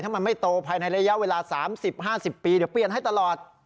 ถ้ามันไม่โตภายในระยะเวลา๓๐๕๐ปีเดี๋ยวเปลี่ยนให้ตลอด